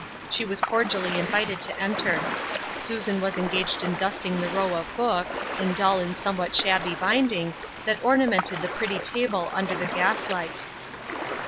She was cordially invited to enter. Susan was en gaged in dusting the row of books, in dull and somewhat shabby binding, that ornamented the pretty table under the gaslight.